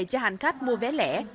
cho hành khách mua vé lẻ